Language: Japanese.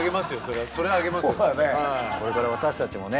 これから私たちもね。